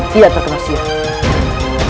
dia terkena siang